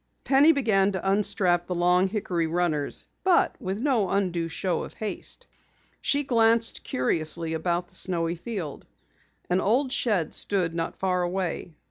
Penny began to unstrap the long hickory runners, but with no undue show of haste. She glanced curiously about the snowy field. An old shed stood not far away.